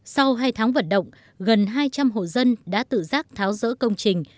sau hai tháng vận động gần hai trăm linh hộ dân đã tự giác tháo rỡ công trình